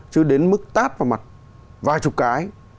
chứ đến mức tát vào mặt vài chục cái